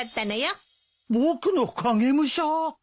僕の影武者！？